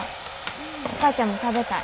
お母ちゃんも食べたい。